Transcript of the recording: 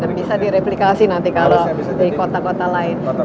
dan bisa direplikasi nanti kalau di kota kota lain